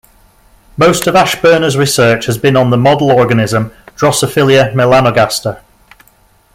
Most of Ashburner's research has been on the model organism "Drosophila melanogaster".